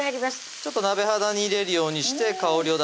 ちょっと鍋肌に入れるようにして香りを出します